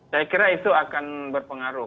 saya kira itu akan berpengaruh